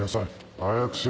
早くしろ。